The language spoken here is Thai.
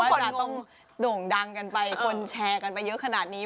จะต้องโด่งดังกันไปคนแชร์กันไปเยอะขนาดนี้